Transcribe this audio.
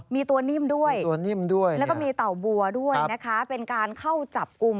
มีตัวนิ่มด้วยแล้วก็มีเต่าบัวด้วยนะคะเป็นการเข้าจับกุม